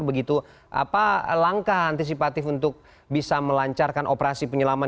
begitu apa langkah antisipatif untuk bisa melancarkan operasi penyelaman